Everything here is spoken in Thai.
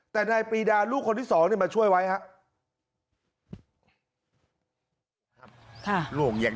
แต่นายปรีดาลูกคนที่๒มาช่วยไว้ครับ